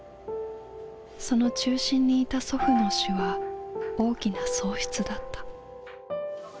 その中心にいた祖父の死は大きな喪失だった。